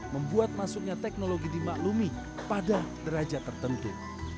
membuat masuknya teknologi dimaklumi pada derajat tertentu